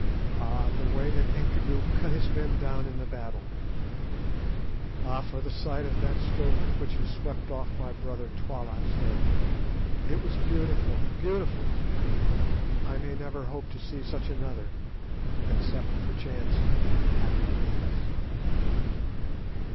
Ah! the way that Incubu cut his men down in the battle! Ah! for the sight of that stroke with which he swept off my brother Twala's head! It was beautiful—beautiful! I may never hope to see such another, except perchance in happy dreams."